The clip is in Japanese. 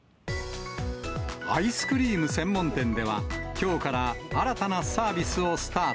アイスクリーム専門店では、きょうから新たなサービスをスタート。